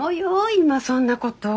今そんなこと。